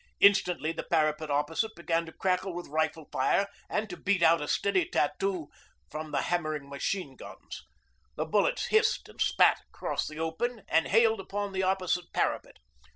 Instantly the parapet opposite began to crackle with rifle fire and to beat out a steady tattoo from the hammering machine guns. The bullets hissed and spat across the open and hailed upon the opposite parapet.